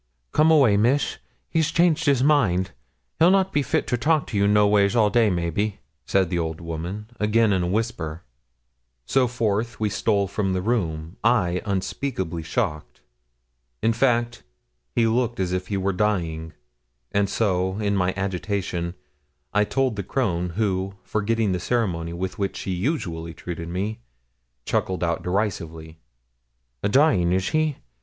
'Come away, miss: he's changed his mind; he'll not be fit to talk to you noways all day, maybe,' said the old woman, again in a whisper. So forth we stole from the room, I unspeakably shocked. In fact, he looked as if he were dying, and so, in my agitation, I told the crone, who, forgetting the ceremony with which she usually treated me, chuckled out derisively, 'A dying is he?